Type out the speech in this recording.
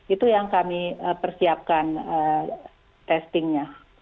itu yang kami persiapkan testingnya